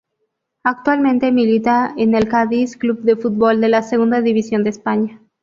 Actualmente milita en el Cádiz Club de Fútbol de la Segunda División de España.